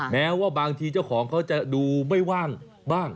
แม้ว่าบางทีเจ้าของเขาจะดูไม่ว่างบ้าง